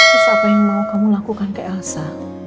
terus apa yang mau kamu lakukan ke elsa